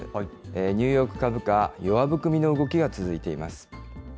ニューヨーク株価、弱含みの動きが続いています。